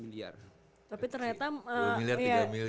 dua miliar tiga miliar kecil